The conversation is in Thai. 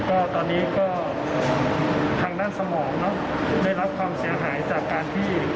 ก็ตอนนี้ก็ทางด้านสมองเนอะได้รับความเสียหายจากการที่